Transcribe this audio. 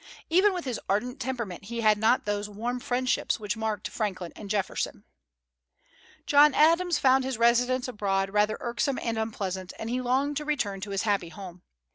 Even with his ardent temperament he had not those warm friendships which marked Franklin and Jefferson. John Adams found his residence abroad rather irksome and unpleasant, and he longed to return to his happy home.